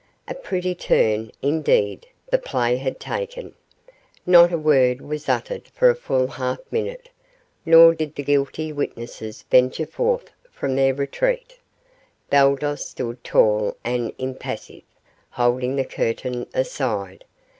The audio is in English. A pretty turn, indeed, the play had taken! Not a word was uttered for a full half minute; nor did the guilty witnesses venture forth from their retreat. Baldos stood tall and impassive, holding the curtain aside.